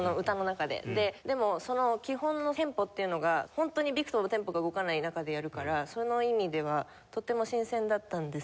でもその基本のテンポっていうのがホントにびくともテンポが動かない中でやるからその意味ではとっても新鮮だったんですけど。